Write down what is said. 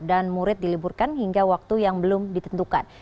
dan murid diliburkan hingga waktu yang belum ditentukan